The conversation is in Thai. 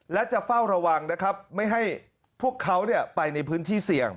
และจะเฝ้าระวังนะครับไม่ให้พวกเขาไปในพื้นที่เสี่ยง